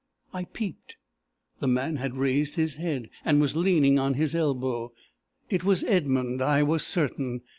I peeped. The man had raised his head, and was leaning on his elbow. It was Edmund, I was certain!